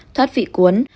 thoát vị cuốn